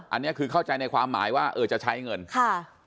อันนี้คือเข้าใจในความหมายว่าเออจะใช้เงินค่ะ